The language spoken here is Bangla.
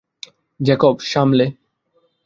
জ্যাকব, সামলে!